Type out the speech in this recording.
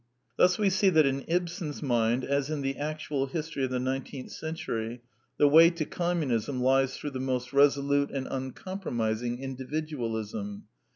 Thus we see that in Ibsen's mind, as in the actual history of the nineteenth century, the way to Communism lies through the most resolute and uncompromising Individualism.